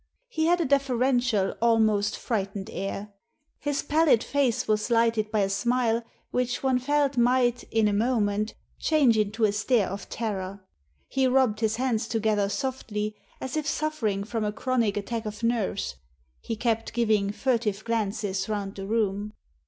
He had a deferential, almost frightened air. His Digitized by VjOOQIC 2 THE SEEN AND THE UNSEEN pallid face was lighted by a smile which one felt might, in a moment, change into a stare of terror. He rubbed his hands together softly, as if suffering from a chronic attack of nerves; he kept giving furtive glances round the room.